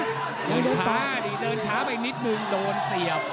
เดินช้านี่เดินช้าไปนิดนึงโดนเสียบ